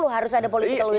harus ada politik lalu lalu